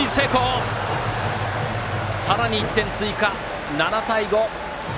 専大松戸さらに１点追加、７対５！